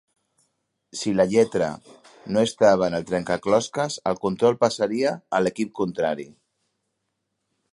Si la lletra no estava en el trencaclosques, el control passaria a l'equip contrari.